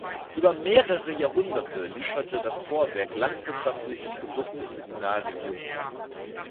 Über mehrere Jahrhunderte lieferte das Vorwerk landwirtschaftliche Produkte für die nahe Region.